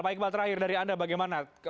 pak iqbal terakhir dari anda bagaimana